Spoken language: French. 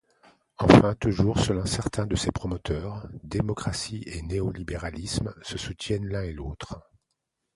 Enfin toujours selon certains de ses promoteurs, démocratie et néo-libéralisme se soutiennent l'un l'autre.